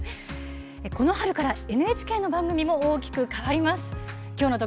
この春からＮＨＫの番組も大きく変わるんですよ。